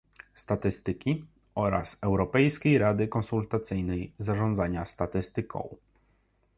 Statystyki oraz Europejskiej Rady Konsultacyjnej Zarządzania Statystyką